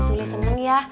sulih seneng ya